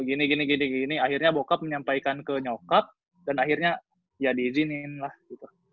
gini gini akhirnya bokap menyampaikan ke nyokap dan akhirnya ya diizinin lah gitu